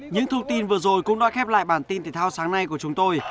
những thông tin vừa rồi cũng đã khép lại bản tin thể thao sáng nay của chúng tôi